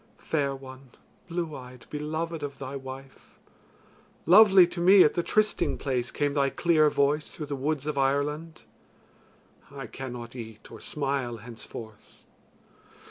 Fair one, blue eyed, beloved of thy wife; lovely to me at the trysting place came thy clear voice through the woods of Ireland. I cannot eat or smile henceforth.